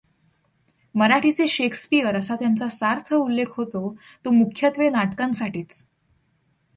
मराठीचे शेक्सपियर असा त्यांचा सार्थ उल्लेख होतो तो मुख्यत्वे नाटकांसाठीच.